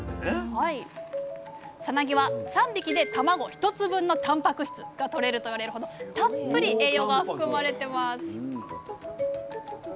さなぎは３匹で卵１つ分のたんぱく質がとれるといわれるほどたっぷり栄養が含まれてます